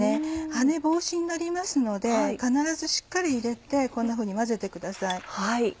跳ね防止になりますので必ずしっかり入れてこんなふうに混ぜてください。